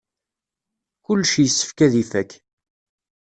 Kullec yessefk ad ifak.